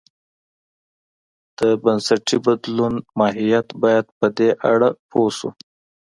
د بنسټي بدلونو ماهیت باید په دې اړه پوه شو.